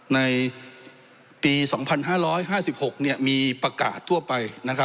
ในปี๒๕๕๖มีประกาศทั่วไป